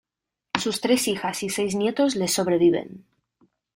Sus tres hijas y seis nietos le sobreviven.